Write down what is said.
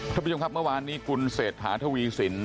ทุกผู้ยมครับเมื่อวานนี้กุลเศรษฐาทวีศิลป์